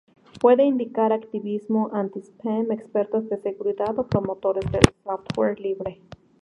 Puede indicar activismo anti-spam, expertos de seguridad o promotores del software libre.